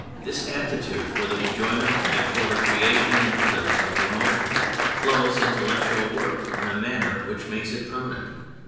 This aptitude for the enjoyment and for the creation in others of emotion clothes intellectual work in a manner which makes it permanent.